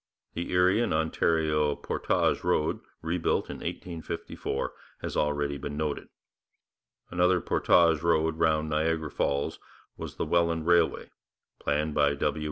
The Erie and Ontario portage road, rebuilt in 1854, has already been noted. Another portage road round Niagara Falls was the Welland Railway, planned by W.